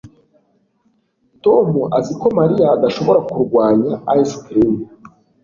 tom azi ko mariya adashobora kurwanya ice cream